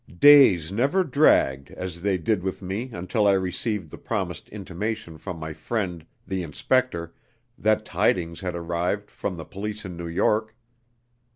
Days never dragged as they did with me until I received the promised intimation from my friend the inspector that tidings had arrived from the police in New York.